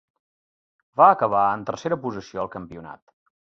Va acabar en tercera posició al campionat.